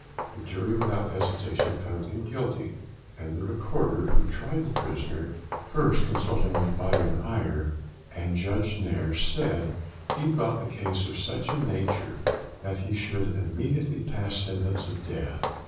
The Jury without hesitation found him guilty; and the Recorder, who tried the prisoner, first consulting with Baron Eyre and Judge Nares, said he thought the case of such a nature that he should immediately pass sentence of death.